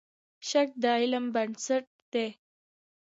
شک د علم بنسټ دی.